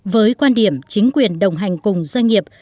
với quan điểm chính quyền đồng hành cùng doanh nghiệp